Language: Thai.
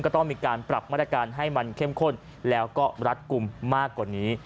ต้องมีการปรับมาตรการให้มันเข้มข้นแล้วก็รัดกลุ่มมากกว่านี้